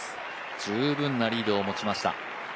十分なリードを持ちました。